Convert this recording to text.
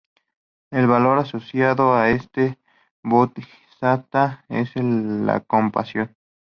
El valor asociado a este bodhisattva es la Compasión.